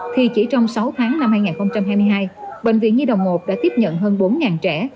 thì chỉ trong sáu tháng năm hai nghìn hai mươi hai bệnh viện nhi đồng một đã tiếp nhận hơn bốn trẻ